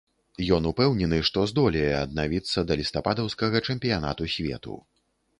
Ён упэўнены, што здолее аднавіцца да лістападаўскага чэмпіянату свету.